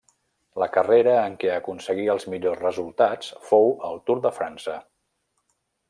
La carrera en què aconseguí els millors resultats fou el Tour de França.